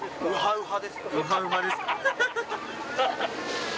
ウハウハです。